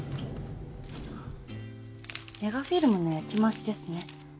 ネガフィルムの焼き増しですね。